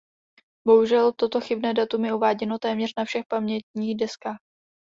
Bohužel toto chybné datum je uváděno téměř na všech pamětních deskách.